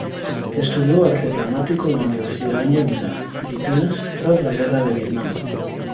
Estudió arte dramático en la Universidad de Manila, Filipinas, tras la guerra de Vietnam.